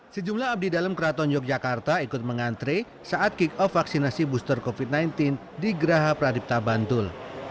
sejumlah abdi dalam keraton yogyakarta ikut mengantre saat kick off vaksinasi booster covid sembilan belas di geraha pradipta bantul